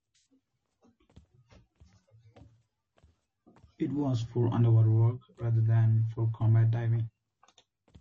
It was for underwater work rather than for combat diving.